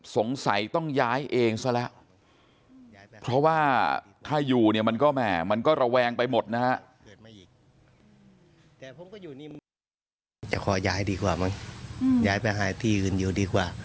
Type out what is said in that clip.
จะขอย้ายดีกว่ามั้งย้ายไปหายที่อื่นอยู่ดีกว่า